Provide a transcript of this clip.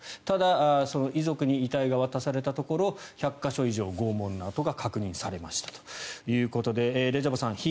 ただ、遺族に遺体が渡されたところ１００か所以上、拷問の痕が確認されましたということでレジャバさん